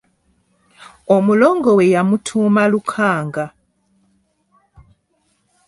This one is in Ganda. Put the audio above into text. Omulongo we yamutuuma Lukanga.